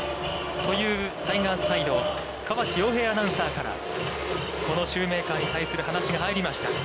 という、タイガースサイド川地洋平アナウンサーから、このシューメーカーに対する話が入りました。